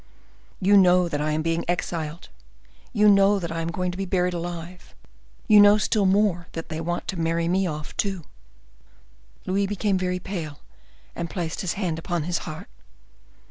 "You know that I am being exiled; you know that I am going to be buried alive; you know still more that they want to marry me off, too." Louis became very pale, and placed his hand upon his heart.